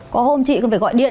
có hôm chị cũng phải gọi điện